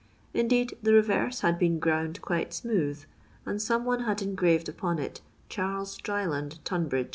Indeed the reverse had been ground quite smooth, and some one had en graved upon it " Charles Dryland Tunbridg."